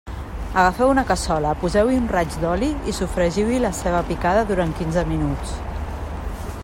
Agafeu una cassola, poseu-hi un raig d'oli i sofregiu-hi la ceba picada durant quinze minuts.